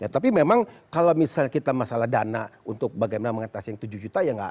tapi memang kalau misalnya kita masalah dana untuk bagaimana mengatasi yang tujuh juta ya nggak